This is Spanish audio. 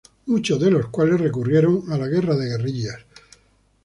Muchos de los cuales recurrieron a la guerra de guerrillas.